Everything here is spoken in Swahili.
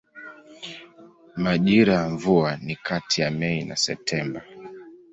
Majira ya mvua ni kati ya Mei na Septemba.